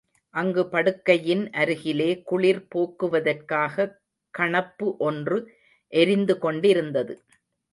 அங்கு படுக்கையின் அருகிலே குளிர் போக்குவதற்காகக் கணப்பு ஒன்று எரிந்து கொண்டிருந்தது.